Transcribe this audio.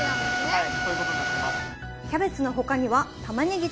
はい。